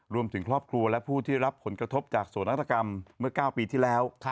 รวมถึงครอบครัวและผู้ที่รับผลกระทบจากโศนาฏกรรมเมื่อ๙ปีที่แล้ว